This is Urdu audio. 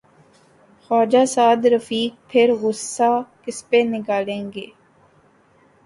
خواجہ سعدرفیق پھر غصہ کس پہ نکالیں گے؟